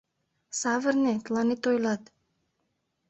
— Савырне, тыланет ойлат!